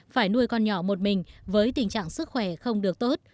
phải nuôi con nhỏ một mình với tình trạng sức khỏe không được tốt